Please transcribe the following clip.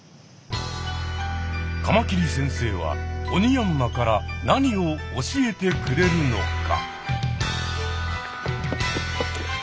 カマキリ先生はオニヤンマから何を教えてくれるのか？